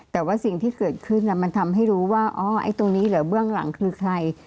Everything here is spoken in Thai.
แต่ว่าสิ่งที่เกิดขึ้นมันทำให้รู้ว่าอ๋อไอ้ตรงนี้เหรอเบื้องหลังคือใคร